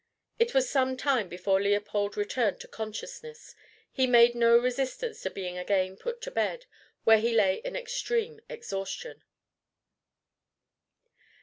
It was some time before Leopold returned to consciousness. He made no resistance to being again put to bed, where he lay in extreme exhaustion.